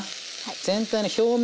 全体の表面